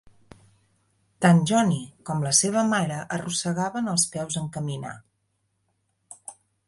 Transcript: Tant Johnny com la seva mare arrossegaven els peus en caminar.